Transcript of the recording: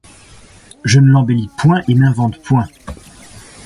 Je ne l'embellis point et n'invente point.